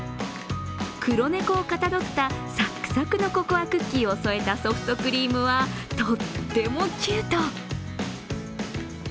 黒猫をかたどったサックサクのココアクッキーを添えたソフトクリームはとってもキュート！